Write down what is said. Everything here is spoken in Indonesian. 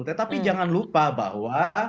tetapi jangan lupa bahwa